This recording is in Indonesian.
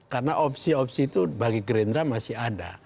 karena opsi opsi itu bagi gerindra masih ada